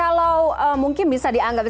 kalau mungkin bisa dianggap